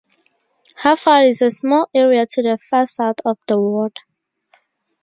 Hafod is a small area to the far south of the ward.